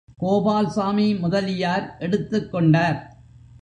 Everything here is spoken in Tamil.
கோபால்சாமி முதலியார் எடுத்துக்கொண்டார்.